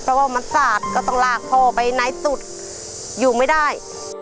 เพราะว่ามันสาดก็ต้องลากพ่อไปไหนสุดอยู่ไม่ได้